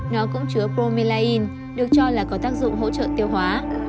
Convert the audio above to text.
nó cũng chứa promelain được cho là có tác dụng hỗ trợ tiêu hóa